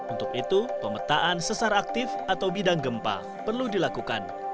untuk itu pemetaan sesar aktif atau bidang gempa perlu dilakukan